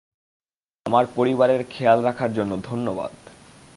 আমার পরিবারের খেয়াল রাখার জন্য ধন্যবাদ।